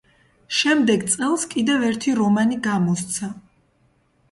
შემდეგ წელს კიდევ ერთი რომანი გამოსცა.